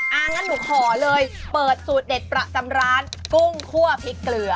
งั้นหนูขอเลยเปิดสูตรเด็ดประจำร้านกุ้งคั่วพริกเกลือ